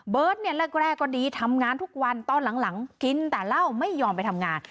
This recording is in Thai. เบิร์ดเนี่ยแรกแรกก็ดีทำงานทุกวันตอนหลังหลังกินแต่เล่าไม่ยอมไปทำงาน